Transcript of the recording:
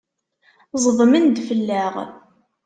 Ẓedmen-d fell-aɣ!